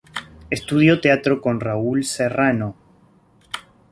Estudió teatro con Raúl Serrano.